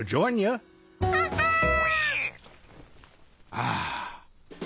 ああ。